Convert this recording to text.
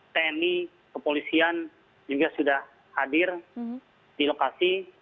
tni kepolisian juga sudah hadir di lokasi